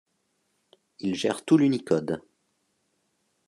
Il gère tout l'Unicode.